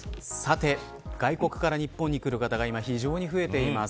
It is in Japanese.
外国から日本に来る方が非常に増えています。